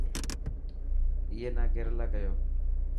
اي نا ڪيريلا ڪيو.